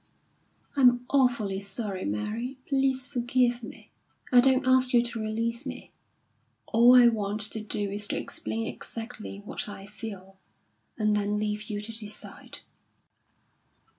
"I'm awfully sorry, Mary! Please forgive me I don't ask you to release me. All I want to do is to explain exactly what I feel, and then leave you to decide."